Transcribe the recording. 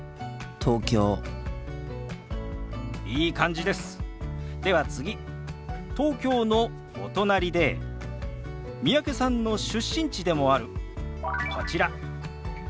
東京のお隣で三宅さんの出身地でもあるこちら。